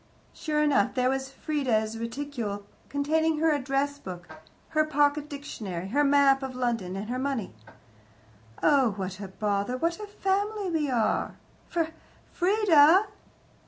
Sure enough, there was Frieda's reticule, containing her address book, her pocket dictionary, her map of London, and her money. "Oh, what a bother what a family we are! Fr Frieda!"